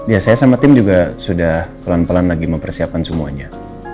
ya saya sama tim juga sudah pelan pelan lagi mempersiapkan semuanya